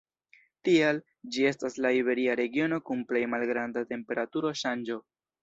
Tial, ĝi estas la iberia regiono kun plej malgranda temperaturo-ŝanĝo.